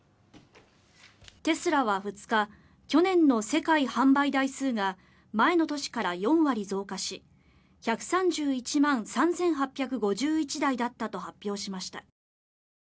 テスラは２日去年の世界販売台数が前の年から４割増加し１３１万３８５１台だったと発表しました。